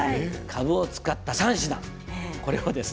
かぶを使った３品です。